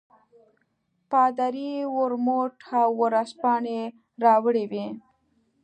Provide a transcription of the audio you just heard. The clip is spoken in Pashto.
پادري ورموت او ورځپاڼې راوړې وې.